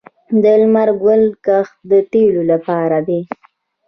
د لمر ګل کښت د تیلو لپاره دی